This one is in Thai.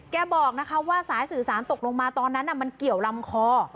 บอกนะคะว่าสายสื่อสารตกลงมาตอนนั้นมันเกี่ยวลำคอ